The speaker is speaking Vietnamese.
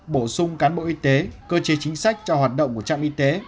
bổ sung cán bộ y tế cơ chế chính sách cho hoạt động của trạm y tế